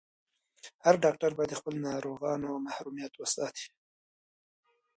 هر ډاکټر باید د خپلو ناروغانو محرميت وساتي.